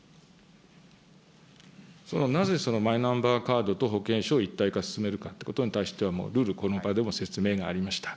なぜそのマイナンバーカードと保険証を一体化進めるかということについては、もう、るる今般でも説明がありました。